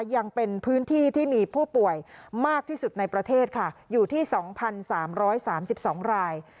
ยังเป็นพื้นที่ที่มีผู้ป่วยมากที่สุดในประเทศค่ะอยู่ที่๒๓๓๒ราย